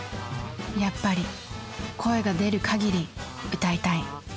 やっぱり声が出る限り歌いたい。